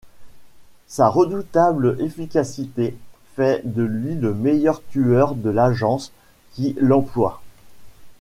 Sa redoutable efficacité fait de lui le meilleur tueur de l'Agence qui l'emploie.